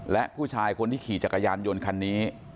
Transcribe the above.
และผู้ชายคนที่ขี่จักรยานยนต์คันนี้